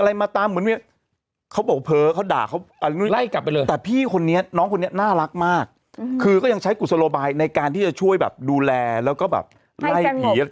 ให้เผยให้เรื่องมันคลาย